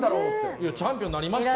チャンピオンになりました。